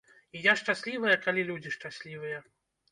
І я шчаслівая, калі людзі шчаслівыя.